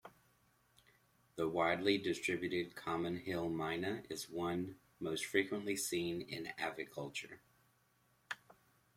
The widely distributed common hill myna is the one most frequently seen in aviculture.